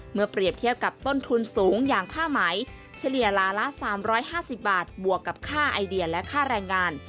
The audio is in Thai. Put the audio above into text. เปรียบเทียบกับต้นทุนสูงอย่างผ้าไหมเฉลี่ยลาละ๓๕๐บาทบวกกับค่าไอเดียและค่าแรงงาน